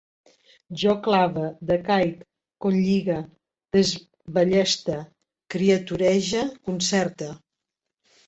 Jo clave, decaic, conlligue, desballeste, criaturege, concerte